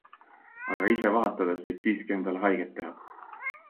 Aga ise vahatades võid siiski endale haiget teha.